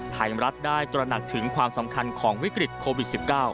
ไทยรัฐได้ตระหนักถึงความสำคัญของวิกฤตโควิด๑๙